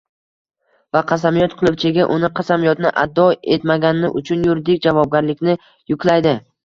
va qasamyod qiluvchiga uni – qasamyodni ado etmagani uchun yuridik javobgarlikni yuklaydi».